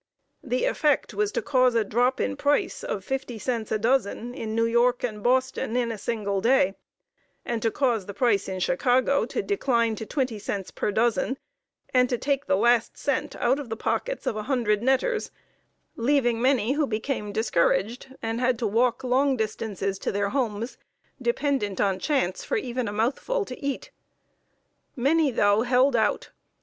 The effect was to cause a drop in price of fifty cents a dozen in New York and Boston in a single day, to cause the price in Chicago to decline to twenty cents per dozen, and to take the last cent out of the pockets of a hundred netters, leaving many who became discouraged and had to walk long distances to their homes, dependent on chance for even a mouthful to eat. Many, though, held out.